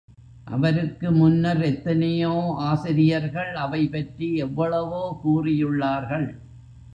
அவருக்கு முன்னர், எத்தனையோ ஆசிரியர்கள், அவை பற்றி எவ்வளவோ கூறி யுள்ளார்கள்.